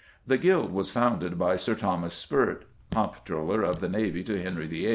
The guild was founded by Sir Thomas Spert, Comptroller of the Navy to Henry VIII.